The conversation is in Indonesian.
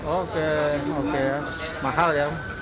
oke oke mahal ya